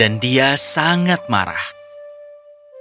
itu kunjungku kita periksa ini